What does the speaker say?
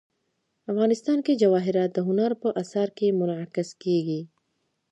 افغانستان کې جواهرات د هنر په اثار کې منعکس کېږي.